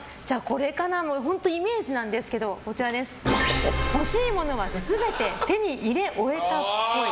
本当イメージなんですけど欲しいものは全て手に入れ終えたっぽい。